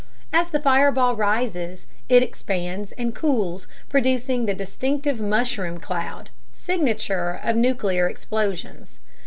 As the fireball rises, it expands and cools, producing the distinctive mushroom cloud, signature of nuclear explosions.